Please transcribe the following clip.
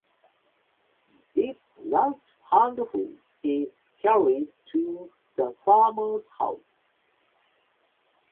This last handful is carried to the farmer's house.